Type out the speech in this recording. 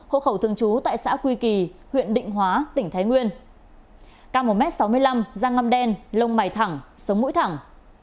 hậu khẩu thường trú tại xã quy kỳ huyện định hóa tỉnh thái nguyên càng một m sáu mươi năm da ngâm đen lông mày thẳng sông mũi thẳng